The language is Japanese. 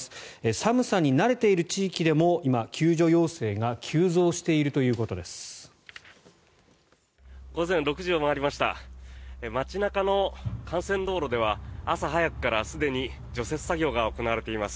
寒さに慣れている地域でも今、救助要請が急増しているということです。